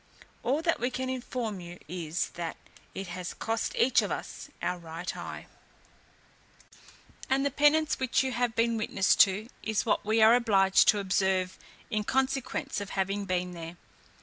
All that we can inform you is, that it has cost each of us our right eye, and the penance which you have been witness to, is what we are obliged to observe in consequence of having been there.